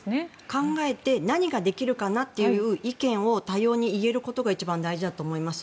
考えて何ができるかなという意見を多様に言えることが一番大事だと思います。